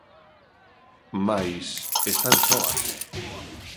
Mais están soas.